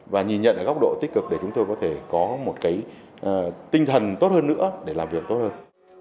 và nhìn nhận ở góc độ tích cực để chúng tôi có thể có một cái tinh thần tốt hơn nữa để làm việc tốt hơn